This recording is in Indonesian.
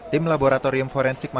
tim laboratorium forensik mabuk